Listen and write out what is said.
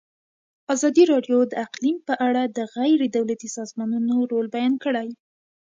ازادي راډیو د اقلیم په اړه د غیر دولتي سازمانونو رول بیان کړی.